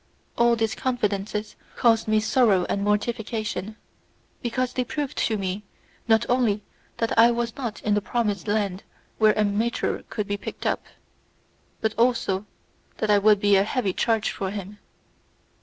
All these confidences caused me sorrow and mortification, because they proved to me, not only that I was not in the promised land where a mitre could be picked up, but also that I would be a heavy charge for him.